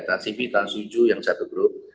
trans tv trans tujuh yang satu grup